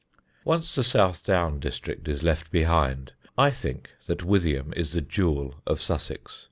Once the South Down district is left behind I think that Withyham is the jewel of Sussex.